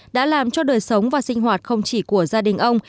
đã làm cho đời sống và sinh hoạt không chỉ của gia đình ông